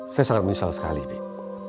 saya sangat menyesal sekali deh